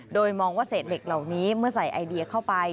โดยมองว่าเศษเหล็กเหล่านี้เมื่อใส่ไอเดียเข้าไป